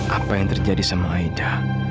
apa yang terjadi sama aida